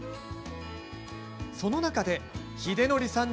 その中で秀徳さん